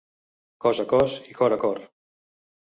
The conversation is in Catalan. Cos a cos i cor a cor.